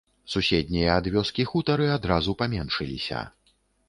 Суседнія ад вёскі хутары адразу паменшыліся.